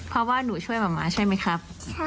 เพราะว่าหนูช่วยหมาม้าใช่ไหมครับ